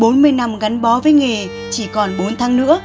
bốn mươi năm gắn bó với nghề chỉ còn bốn tháng nữa